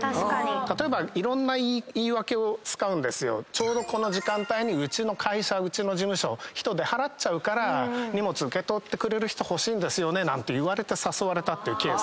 「ちょうどこの時間帯にうちの会社うちの事務所人出払っちゃうから荷物受け取ってくれる人欲しいんですよね」なんて言われて誘われたっていうケースが。